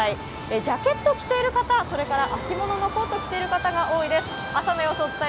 ジャケット着ている方、それから秋物のコートを着ている方が多いです。